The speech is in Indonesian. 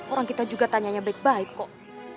orang kita juga tanyanya baik baik kok